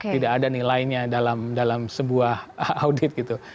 tidak ada nilainya dalam sebuah audit gitu